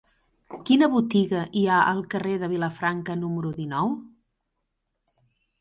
Quina botiga hi ha al carrer de Vilafranca número dinou?